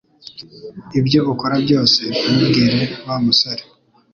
Ibyo ukora byose, ntubwire Wa musore